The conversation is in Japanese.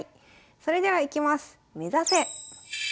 それではいきます。